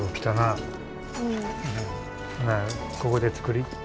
ほなここで作り。